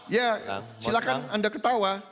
ya silahkan anda ketawa